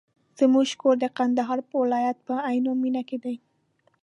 زموږ کور د کندهار ولایت په عينو مېنه کي دی.